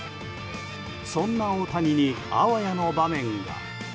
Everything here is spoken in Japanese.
そんな大谷にあわやの場面が。